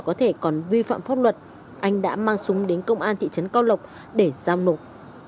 có thể còn vi phạm pháp luật anh đã mang súng đến công an thị trấn cao lộc để giao nộp